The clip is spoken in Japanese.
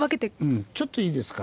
うん「ちょっといいですか」